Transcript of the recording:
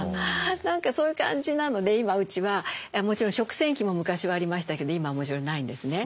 何かそういう感じなので今うちはもちろん食洗器も昔はありましたけど今はもちろんないんですね。